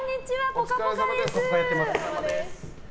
「ぽかぽか」です！